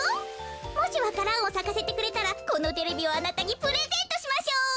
もしわか蘭をさかせてくれたらこのテレビをあなたにプレゼントしましょう。